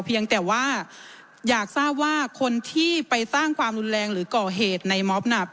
เพียงแต่ว่าอยากทราบว่าคนที่ไปสร้างความรุนแรงหรือก่อเหตุในมอบน่ะ